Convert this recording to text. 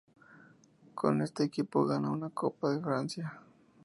Con este equipo gana una Copa de Francia.